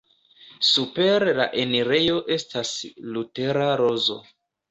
Super la enirejo estas Lutera rozo.